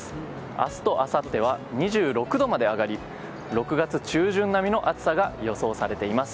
明日とあさっては２６度まで上がり６月中旬並みの暑さが予想されています。